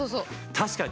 確かに。